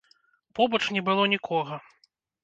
Побач не было нікога.